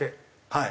はい。